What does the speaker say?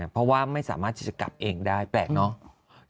เพราะว่าไม่สามารถที่จะกลับเองได้แปลกเนอะ